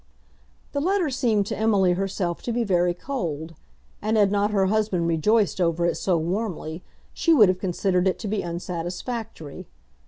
The letter seemed to Emily herself to be very cold, and had not her husband rejoiced over it so warmly she would have considered it to be unsatisfactory.